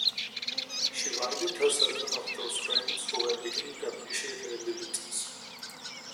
She widened her circle of those friends who were beginning to appreciate her abilities.